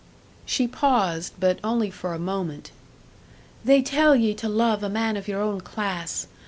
She paused, but only for a moment. "They tell ye to love a man of your own class.